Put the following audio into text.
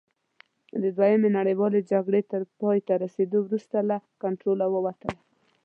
د دویمې نړیوالې جګړې تر پایته رسېدو وروسته له کنټروله ووتله.